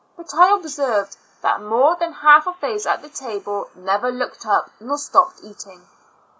But I observed that more than half of those at the table never looked up nor stopped eating.